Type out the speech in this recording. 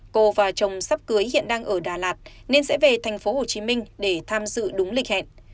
cô và chồng sắp cưới hiện đang ở đà lạt nên sẽ về tp hcm để tham dự đúng lịch hẹn